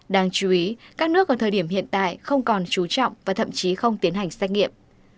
đáng chú ý các nước ở thời điểm hiện tại không còn trú trọng và thậm chí không tiến hành xét nghiệm